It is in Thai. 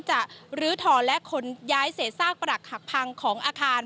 ลื้อถอนและขนย้ายเศษซากปรักหักพังของอาคาร